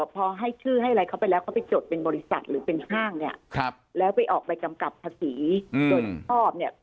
พอให้ชื่อให้อะไรเขาไปแล้วเขาไปจดเป็นบริษัทหรือเป็นห้างเนี่ยแล้วไปออกใบกำกับภาษีโดยชอบเนี่ย